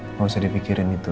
enggak usah dipikirin itu